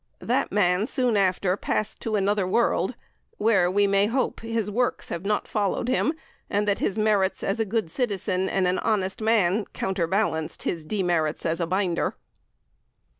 That man soon after passed to another world, where, we may hope, his works have not followed him, and that his merits as a good citizen and an honest man counterbalanced his de merits as a binder.